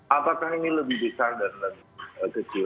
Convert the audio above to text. apakah ini lebih besar dan lebih kecil